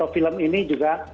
film ini juga